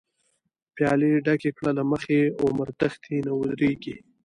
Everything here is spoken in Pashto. پیالی ډکی کړه له مخی، عمر تښتی نه ودریږی